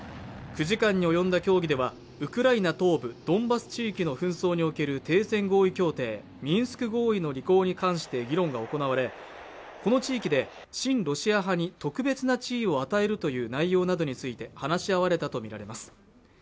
９時間に及んだ協議ではウクライナ東部ドンバス地域の紛争における停戦合意協定＝ミンスク合意の履行に関して議論が行われこの地域で親ロシア派に特別な地位を与えるという内容などについて話し合われたと見られます